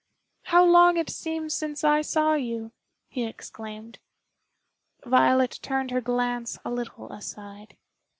"How long it seems since I saw you!" he exclaimed. Violet turned her glance a little aside.